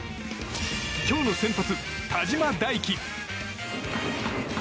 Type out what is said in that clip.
今日の先発、田嶋大樹。